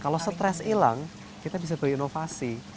kalau stres hilang kita bisa berinovasi